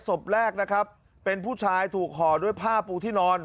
ศพแรกนะครับเป็นผู้ชายถูกห่อด้วยผ้าปูที่นอน